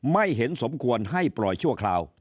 ไม่เห็นสมควรให้ปล่อยชั่วคราว